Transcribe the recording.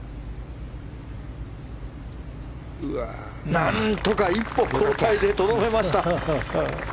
何とか一歩後退でとどめました。